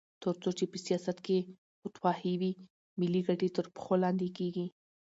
تر څو چې په سیاست کې خودخواهي وي، ملي ګټې تر پښو لاندې کېږي.